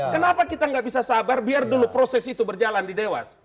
kenapa kita nggak bisa sabar biar dulu proses itu berjalan di dewas